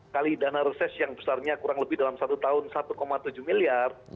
kali dana reses yang besarnya kurang lebih dalam satu tahun satu tujuh miliar